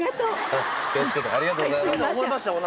気を付けてありがとうございます。